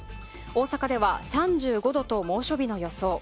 大阪では３５度と猛暑日の予想。